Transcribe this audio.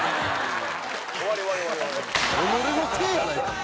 己のせいやないか。